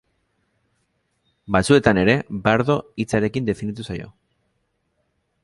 Batzuetan ere bardo hitzarekin definitu zaio.